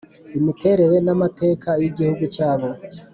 imiterere n'amateka y'igihugu cyabo.